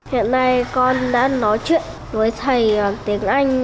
hiện nay con đã nói chuyện với thầy tiếng anh